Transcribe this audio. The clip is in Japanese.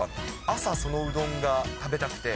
朝そのうどんが食べたくて。